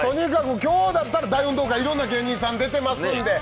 今日だったら大運動会、いろんな芸人さん出ています。